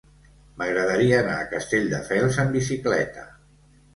M'agradaria anar a Castelldefels amb bicicleta.